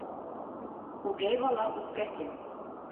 Үгәй бала үпкәсел.